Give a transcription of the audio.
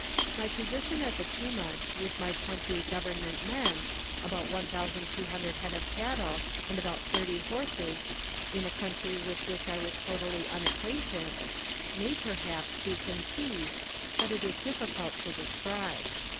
My position at the Tumut, with my twenty " Government men," about 1,200 head of cattle, and about 30 horses, in a country with which I was totally unacquainted, may, perhaps, be conceived, but is difficult to describe.